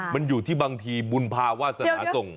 มันอยู่ที่บางทีบุญภาวาสนาส่ง